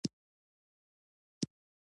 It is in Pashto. په همدې حالت کې پاتې شوه.